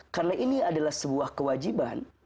karena ini adalah sebuah kewajiban